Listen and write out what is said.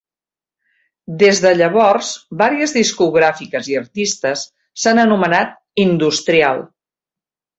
Des de llavors, varies discogràfiques i artistes s'han anomenat "industrial".